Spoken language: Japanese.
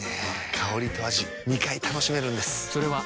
香りと味２回楽しめるんです。